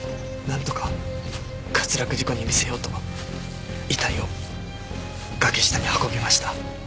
なんとか滑落事故に見せようと遺体を崖下に運びました。